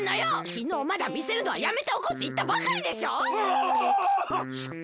きのうまだみせるのはやめておこうっていったばかりでしょ！